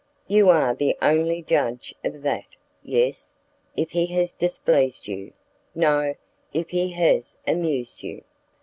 "You are the only judge of that: yes, if he has displeased you; no, if he has amused you.